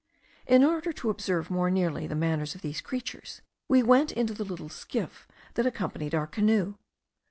In order to observe more nearly the manners of these creatures, we went into the little skiff that accompanied our canoe.